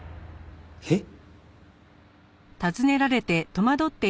えっ？